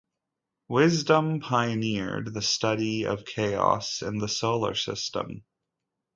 Wisdom pioneered the study of chaos in the solar system.